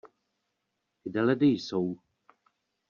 Kde ledy jsou?